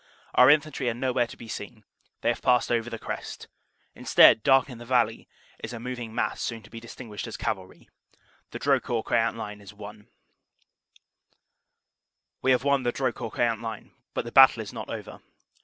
Our infantry are nowhere to be seen ; they have passed over the crest; instead, dark in the valley, is a moving mass soon to be distinguished as cavalry. The Dro court Queant line is won. * We have won the Drocourt Queant line, but the battle is not over.